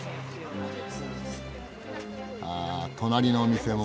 あ隣のお店も。